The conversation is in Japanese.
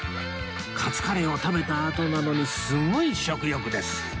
カツカレーを食べたあとなのにすごい食欲です